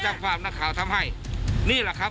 แล้วฝากไปอีกประการหนึ่งคนที่ได้๕๐๐๐บาท